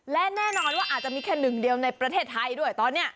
และแน่นอนว่าอาจจะมีแค่หนึ่งเดียวในประเทศไทยด้วยตอนนี้